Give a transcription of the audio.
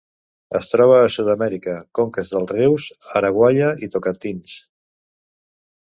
Es troba a Sud-amèrica: conques dels rius Araguaia i Tocantins.